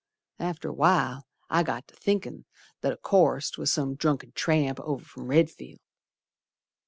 After a while I got to thinkin' that o' course 'Twas some drunken tramp over from Redfield.